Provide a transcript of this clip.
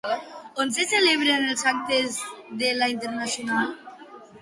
On se celebraven els actes de la Internacional?